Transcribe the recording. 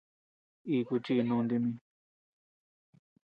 Iku chi nunti mi.